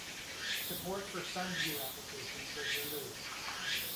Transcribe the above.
Support for SunView applications was removed.